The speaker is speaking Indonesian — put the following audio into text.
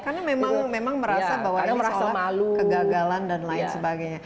kalau yang memang merasa bahwa ini seolah kegagalan dan lain sebagainya